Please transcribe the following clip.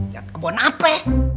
ya kebon apa